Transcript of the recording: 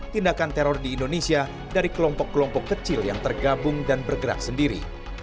tindakan teror di indonesia dari kelompok kelompok kecil yang tergabung dan bergerak sendiri